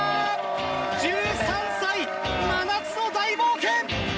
１３歳、真夏の大冒険。